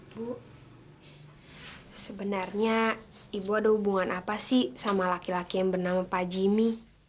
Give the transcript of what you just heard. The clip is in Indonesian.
bu sebenarnya ibu ada hubungan apa sih sama laki laki yang bernama pak jimmy